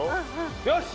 よし！